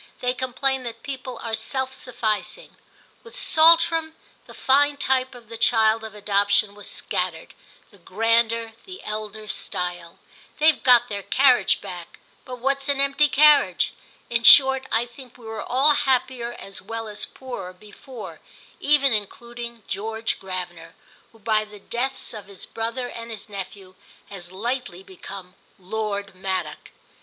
They complain that people are self sufficing. With Saltram the fine type of the child of adoption was scattered, the grander, the elder style. They've got their carriage back, but what's an empty carriage? In short I think we were all happier as well as poorer before; even including George Gravener, who by the deaths of his brother and his nephew has lately become Lord Maddock.